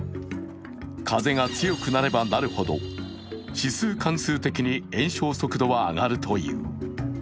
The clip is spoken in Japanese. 風が強くなればなるほど指数関数的に延焼速度は上がるという。